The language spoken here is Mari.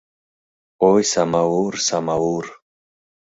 Ой, самаур, самаур